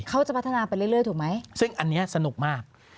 เขาจะพัฒนาไปเรื่อยถูกไหมซึ่งอันนี้สนุกมาก